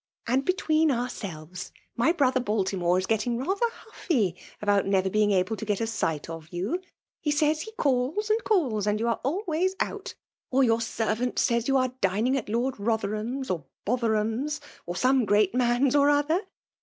And between ourselves, my brother Baltimore is getting rather hufiy about never being able to get sight of you. He says he calls and calls, and you are always out, or your servant says you are dining at Lord Botherham's or Botherum's, or some great man's or other.